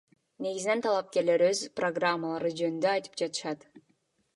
Негизинен талапкерлер өз программалары жөнүндө айтып жатышты.